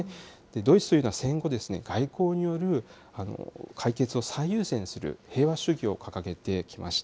ドイツというのは戦後、外交による解決を最優先する平和主義を掲げてきました。